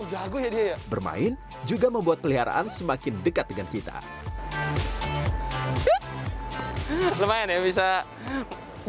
chris bermain juga membuat peliharaan semakin dekat dengan kita lumayan yang bisa rj sembilan belas